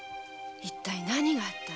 一体何があったの？